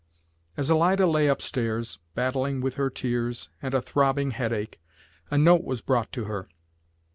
As Alida lay up stairs, battling with her tears and a throbbing headache, a note was brought to her.